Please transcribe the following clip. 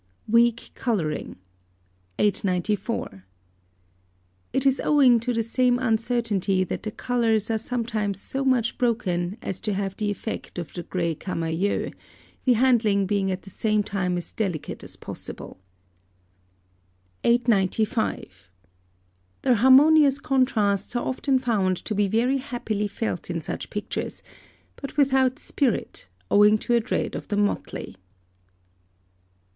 WEAK COLOURING. 894. It is owing to the same uncertainty that the colours are sometimes so much broken as to have the effect of a grey camayeu, the handling being at the same time as delicate as possible. 895. The harmonious contrasts are often found to be very happily felt in such pictures, but without spirit, owing to a dread of the motley.